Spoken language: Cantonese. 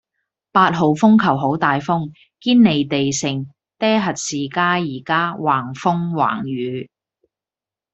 八號風球好大風，堅尼地城爹核士街依家橫風橫雨